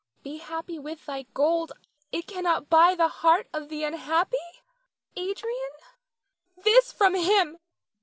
Be happy with thy gold; it cannot buy the heart of the unhappy Adrian. Nina. This from him!